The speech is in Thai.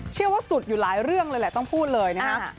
สุดอยู่หลายเรื่องเลยแหละต้องพูดเลยนะครับ